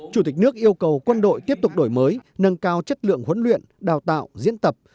chủ tịch nước yêu cầu quân đội tiếp tục đổi mới nâng cao chất lượng huấn luyện đào tạo diễn tập